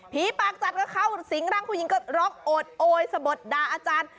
ปากจัดก็เข้าสิงร่างผู้หญิงก็ร้องโอดโอยสะบดด่าอาจารย์